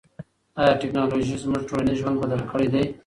آیا ټیکنالوژي زموږ ټولنیز ژوند بدل کړی دی؟